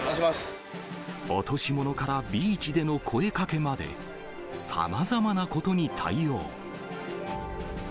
落とし物からビーチでの声かけまで、さまざまなことに対応。